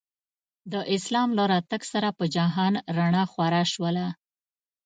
د اسلام له راتګ سره په جهان رڼا خوره شوله.